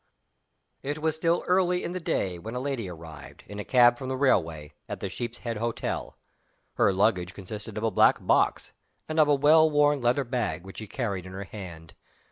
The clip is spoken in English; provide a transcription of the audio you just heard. It was still early in the day when a lady arrived, in a cab from the railway, at the Sheep's Head Hotel. Her luggage consisted of a black box, and of a well worn leather bag which she carried in her hand.